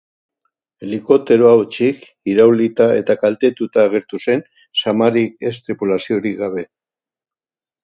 Helikopteroa hutsik, iraulita eta kaltetuta agertu zen, zamarik ez tripulaziorik gabe.